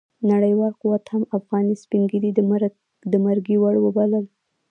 نړیوال قوت هم افغاني سپين ږيري د مرګي وړ وبلل.